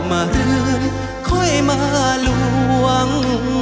โปรดเถิดดวงใจไม่ใช่ห้ามห่วง